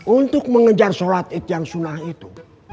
untuk mengejar sholat id yang sunnah itu